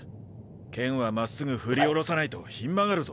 剣はまっすぐ振り下ろさないとひん曲がるぞ。